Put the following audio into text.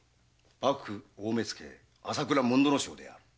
幕府大目付・朝倉主水正である。